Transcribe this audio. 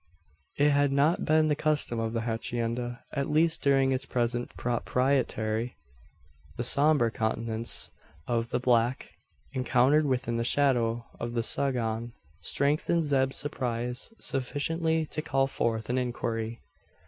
It had not been the custom of the hacienda at least during its present proprietary. The sombre countenance of the black, encountered within the shadow of the saguan, strengthened Zeb's surprise sufficiently to call forth an inquiry.